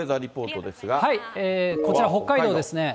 こちら、北海道ですね。